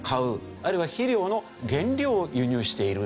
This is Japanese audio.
あるいは肥料の原料を輸入している。